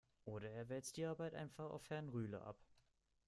Oder er wälzt die Arbeit einfach auf Herrn Rühle ab.